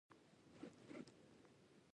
هره اونۍ کې د جامو بدلول هم ممکن وو.